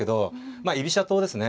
まあ居飛車党ですね。